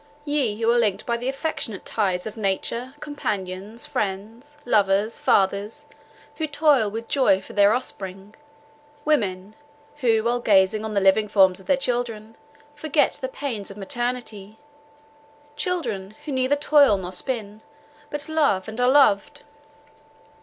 Ye who are linked by the affectionate ties of nature, companions, friends, lovers! fathers, who toil with joy for their offspring; women, who while gazing on the living forms of their children, forget the pains of maternity; children, who neither toil nor spin, but love and are loved!